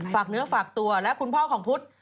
เนื้อฝากตัวและคุณพ่อของพุทธ